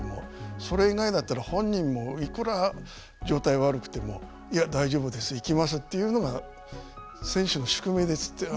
それ以外だったら本人もいくら状態が悪くてもいや大丈夫です行きますというのが選手の宿命です。